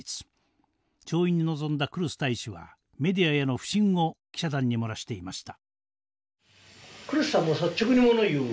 調印に臨んだ来栖大使はメディアへの不信を記者団に漏らしていました。